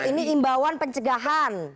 ini himbauan pencegahan